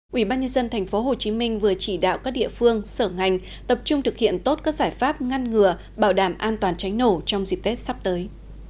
quỹ ban nhân dân tp hcm vừa chỉ đạo các địa phương sở ngành tập trung thực hiện tốt các giải pháp ngăn ngừa bảo đảm an toàn cháy nổ trong dịp tết sắp tới